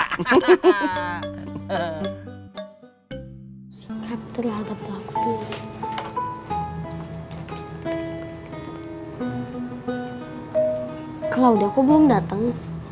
kalau udah aku belum datang